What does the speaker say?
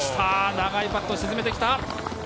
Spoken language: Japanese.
長いパットを沈めてきた！